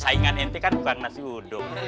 saingan inti kan tukang nasi uduk